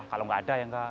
kalau nggak ada ya nggak